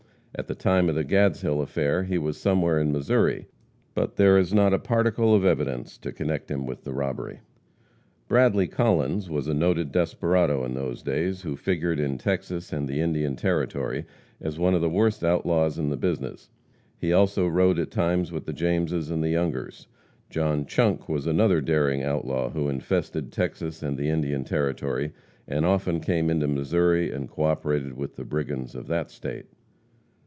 At the time of the Gadshill affair he was somewhere in Missouri. But there is not a particle of evidence to connect him with the robbery. Bradley Collins was a noted desperado in those days, who figured in Texas and the Indian Territory as one of the worst outlaws in the business. He also rode at times with the Jameses and the Youngers. John Chunk was another daring outlaw who infested Texas and the Indian Territory, and often came into Missouri and co operated with the brigands of that state.